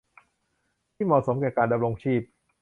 ที่เหมาะสมแก่การดำรงชีพ